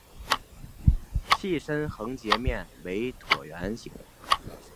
器身横截面为椭圆形。